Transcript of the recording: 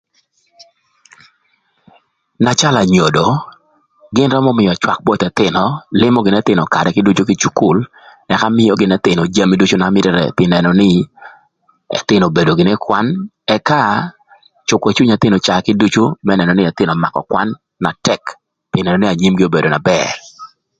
Na calö anyodo, gïn römö mïö cwak both ëthïnö lïmö gïnï ëthïnö karë kïdücü kï cukul ëka mïö gïnï ëthïnö jami ducu na mïtërë pï nënö nï ëthïnö obedo gïnï ï kwan ëka cükö cwiny ëthïnö caa kïdücü më nënö nï ëthïnö ömakö gïnï kwan na tëk pï nënö nï anyim obedo na bër.